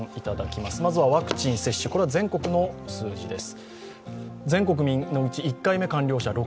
まずはワクチン接種、全国の数字です。